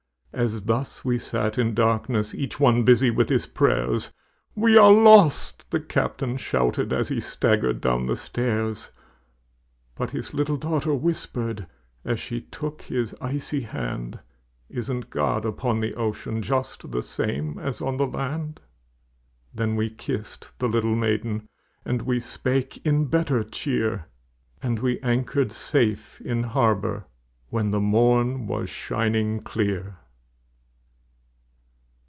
As thus we sat in darkness Each one busy with his prayers, "We are lost!" the captain shouted, As he staggered down the stairs. But his little daughter whispered, As she took his icy hand, "Isn't God upon the ocean, Just the same as on the land?" Then we kissed the little maiden, And we spake in better cheer, And we anchored safe in harbor When the morn was shining clear.